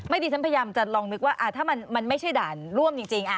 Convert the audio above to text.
ดิฉันพยายามจะลองนึกว่าถ้ามันไม่ใช่ด่านร่วมจริง